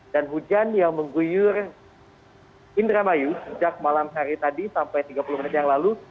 dan hujan yang mengguyur indramayu sejak malam hari tadi sampai tiga puluh menit yang lalu